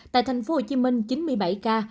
tại tp hcm chín mươi bảy ca